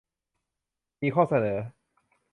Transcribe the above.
มีข้อเสนอ